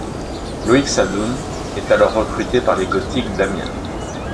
Loïc Sadoun est alors recruté par les Gothiques d'Amiens.